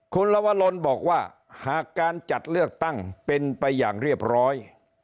คุณลวรลบอกว่าหากการจัดเลือกตั้งเป็นไปอย่างเรียบร้อย